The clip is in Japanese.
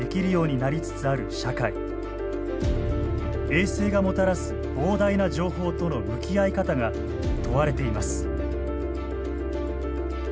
衛星がもたらす膨大な情報との向き合い方が問われています。